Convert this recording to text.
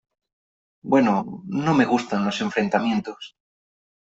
Bueno ... No me gustan los enfrentamientos .